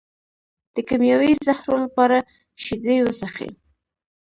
د کیمیاوي زهرو لپاره شیدې وڅښئ